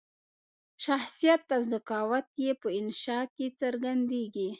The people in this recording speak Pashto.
شخصیت او ذکاوت یې په انشأ کې څرګندیږي.